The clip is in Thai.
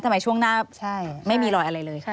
ทำไมช่วงหน้าไม่มีรอยอะไรเลย